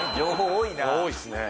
多いですね。